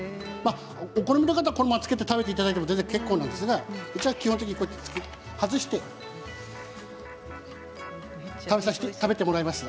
お好みの方はこのままつけていただいて結構なんですがうちは基本的に外して食べてもらいます。